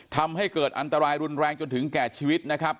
ทำให้เกิดอันตรายรุนแรงจนถึงแก่ชีวิตนะครับ